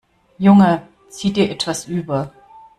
Junge, zieh dir etwas über.